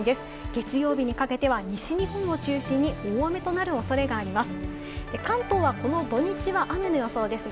月曜日にかけては西日本を中心に大雨となる恐れがあります。